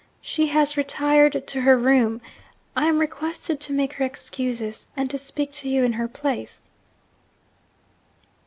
'She has retired to her room. I am requested to make her excuses, and to speak to you in her place.'